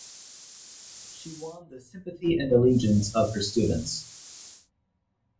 She won the "sympathy and allegiance" of her students.